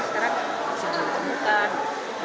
karena sekarang sudah ditemukan